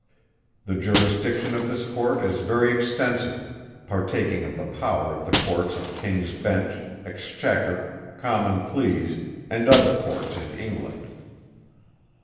The Jurisdiction of this Court is very extensive, partaking of the power of the Courts of King's Bench, Exchequer, Common Pleas, and other Courts in England.